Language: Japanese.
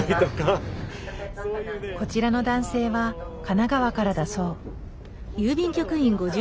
こちらの男性は神奈川からだそう。